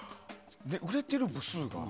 売れている部数が。